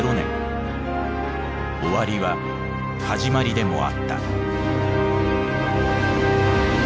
終わりは始まりでもあった。